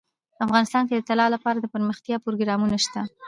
افغانستان کې د طلا لپاره دپرمختیا پروګرامونه شته.